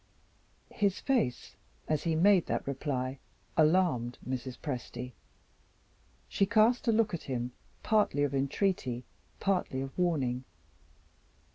His face, as he made that reply, alarmed Mrs. Presty. She cast a look at him, partly of entreaty, partly of warning.